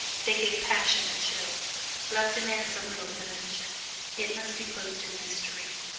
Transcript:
They give passion a chill. Love demands a little illusion; it must be clothed in mystery.